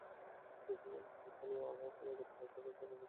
চিকিৎসাধীন অবস্থায় স্থানীয় সময় গতকাল সকাল সাড়ে সাতটায় তিনি মারা যান।